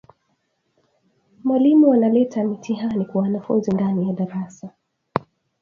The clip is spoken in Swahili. Mwalimu analeta mtiani kwa wanafunzi ndani ya darasa